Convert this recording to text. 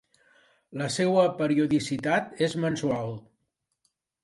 La seua periodicitat és mensual.